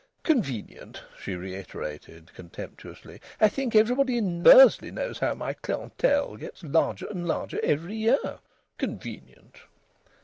"Convenient!" she reiterated, contemptuously. "I think everybody in Bursley knows how my clientèle gets larger and larger every year!... Convenient!"